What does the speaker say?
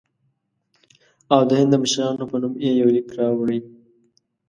او د هند د مشرانو په نوم یې یو لیک راوړی.